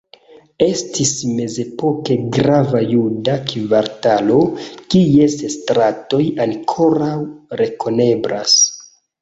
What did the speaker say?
Estis mezepoke grava juda kvartalo, kies stratoj ankoraŭ rekoneblas.